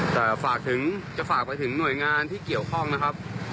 แต่ฝากถึงจะฝากไปถึงหน่วยงานที่เกี่ยวข้องนะครับ